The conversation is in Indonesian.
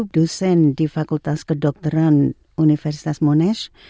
dosen di fakultas kedokteran universitas monas